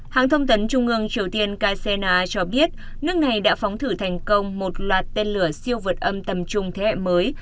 hãng thông tấn trung ương triều tiên kcna cho biết nước này đã phóng thử thành công một loạt tên lửa siêu vượt âm tầm trung thế hệ mới